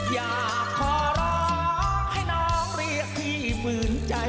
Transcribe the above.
อยากขอร้องให้น้องเรียกพี่ฝืนใจ